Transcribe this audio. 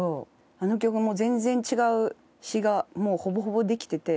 あの曲も全然違う詩がもうほぼほぼできてて。